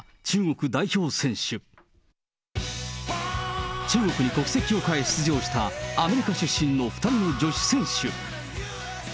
中国に国籍を変え出場したアメリカ出身の２人の女子選手。